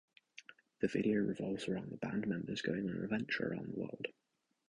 The video revolves around the band members going on an adventure around the world.